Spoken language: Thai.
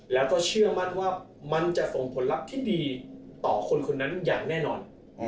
แล้วก็เชื่อมั่นว่ามันจะส่งผลลัพธ์ที่ดีต่อคนคนนั้นอย่างแน่นอน